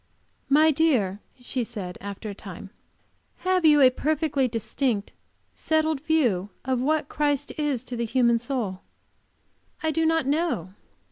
"My dear," she said, after a time, "have you a perfectly distinct, settled view of what Christ is to the human soul?" "I do not know.